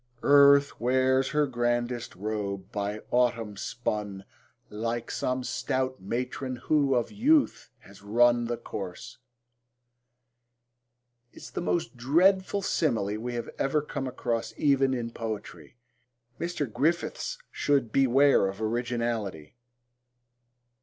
Earth wears her grandest robe, by autumn spun, Like some stout matron who of youth has run The course, ... is the most dreadful simile we have ever come across even in poetry. Mr. Griffiths should beware of originality.